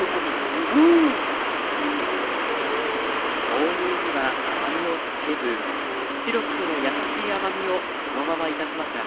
豆乳には甘みをつけずシロップのやさしい甘みをそのまま生かしました。